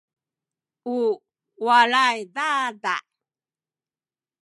u walay dada’